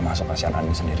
masuk kasihan andin sendiri